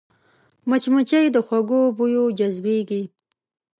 مچمچۍ د خوږو بویو جذبېږي